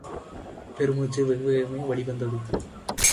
பெருமூச்சு வெகுவேகமாக வெளிவந்தது.